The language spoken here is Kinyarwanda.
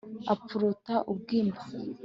Apfuruta ubwimba